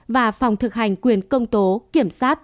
và phòng thực hành quyền công tố kiểm sát